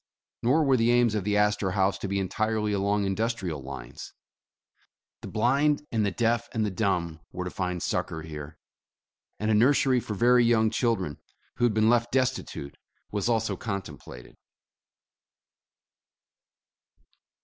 Nor were the aims of the Astorhaus to be entirely along indus trial lines. The blind and the deaf and the dumb were to find succor here, and a nursery for very young chil dren, who had been left destitute, was also contempla ted.